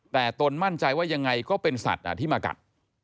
แต่ตนมั่นใจว่ายังไงก็เป็นสัตว์ที่มากัด